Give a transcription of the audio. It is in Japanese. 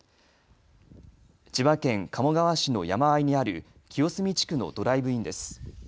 千葉県鴨川市の山あいにある清澄地区のドライブインです。